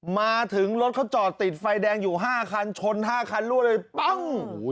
มาถึงรถเขาจอดติดไฟแดงอยู่๕คันชน๕คันรั่วเลยปั้ง